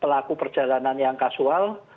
pelaku perjalanan yang kasual